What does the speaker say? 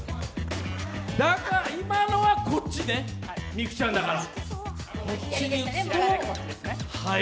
今のは、こっちね、美空ちゃんだから。